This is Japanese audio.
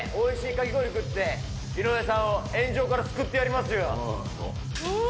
かき氷食って、井上さんを炎上から救ってやりますよ。